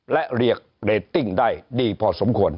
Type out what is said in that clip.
และเรียกเรตติ้งได้ดีพอสมควร